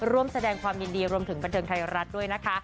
ร่วมแสดงความยินดีรวมถึงบันเทิงไทยรัฐด้วยนะคะ